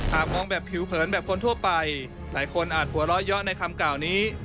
มองแบบผิวเผินแบบคนทั่วไปหลายคนอาจหัวเราะเยอะในคำกล่าวนี้